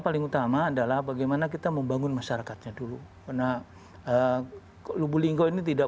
paling utama adalah bagaimana kita membangun masyarakatnya dulu karena lubu linggau ini tidak